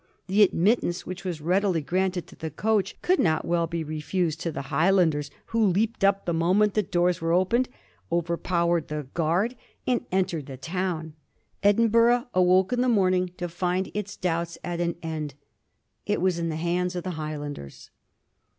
The admittance, which was read ily granted to the coach, could not well be refused to the 214 A HISTORY OF THE FOUR GEORGEa gh.xzxt. Highlanders, who leaped np the moment the doors were opened, overpowered the gnard, and entered the town. Edinburgh awoke in the morning to find its doubts at an end. It was in the hands of the Highlanders.